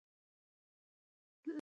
لاندې راشه!